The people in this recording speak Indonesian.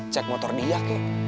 cek motor dia kek